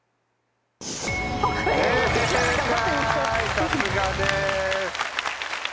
さすがです。